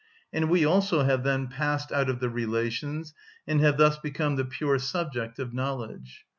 And we also have then passed out of the relations, and have thus become the pure subject of knowledge.